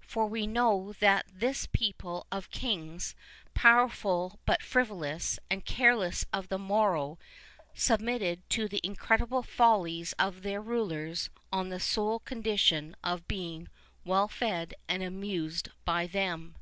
[II 29] For we know that this people of kings, powerful but frivolous, and careless of the morrow, submitted to the incredible follies of their rulers on the sole condition of being well fed and amused by them.